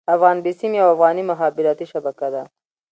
افغان بيسيم يوه افغاني مخابراتي شبکه ده.